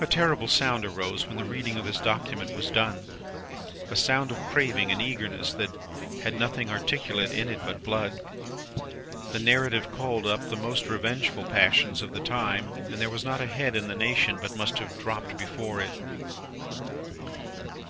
A terrible sound arose when the reading of this document was done. A sound of craving and eagerness that had nothing articulate in it but blood. The narrative called up the most revengeful passions of the time, and there was not a head in the nation but must have dropped before it.